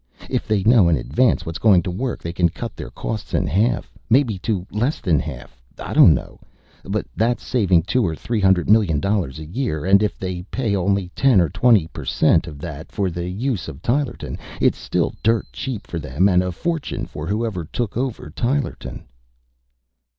"If they know in advance what's going to work, they can cut their costs in half maybe to less than half, I don't know. But that's saving two or three hundred million dollars a year and if they pay only ten or twenty per cent of that for the use of Tylerton, it's still dirt cheap for them and a fortune for whoever took over Tylerton."